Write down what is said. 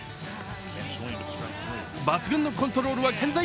抜群のコントロールは建材。